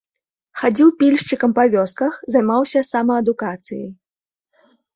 Хадзіў пільшчыкам па вёсках, займаўся самаадукацыяй.